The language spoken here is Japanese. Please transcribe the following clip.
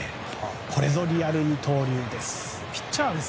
これぞリアル二刀流です。